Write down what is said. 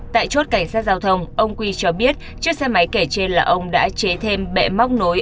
tại chốt cảnh sát giao thông ông quy cho biết chiếc xe máy kể trên là ông đã chế thêm bẹ móc nối